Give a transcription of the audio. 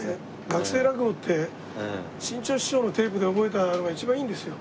学生落語って志ん朝師匠のテープで覚えたのが一番いいんですよ